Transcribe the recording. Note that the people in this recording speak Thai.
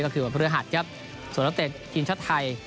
ก็คือวันพฤหัสครับสวนเตะอินชาไทย